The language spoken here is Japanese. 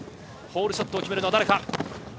ホールショットを決めるのは誰か。